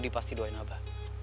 ibu pasti doain abah